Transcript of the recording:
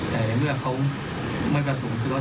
แต่เมื่อเขามันประสงค์คือว่า